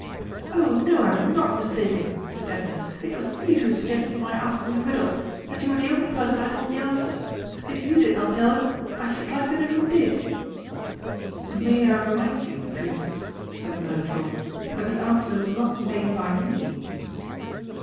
"Oh no, I'm not mistaken!" said Edna. "It was you who suggested my asking the riddles and you were the only person I told the answer. If you did not tell him, I should like to know who did!" "May I remind you, Princess," said Mirliflor, "that the answer was not made by me?"